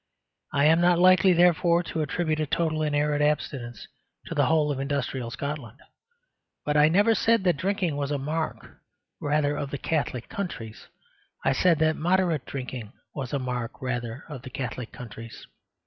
I am not likely, therefore, to attribute a total and arid abstinence to the whole of industrial Scotland. But I never said that drinking was a mark rather of the Catholic countries. I said that moderate drinking was a mark rather of the Catholic countries.